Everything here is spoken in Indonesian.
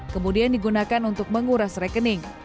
kemudian digunakan untuk menguras rekening